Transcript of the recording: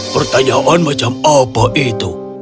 pertanyaan macam apa itu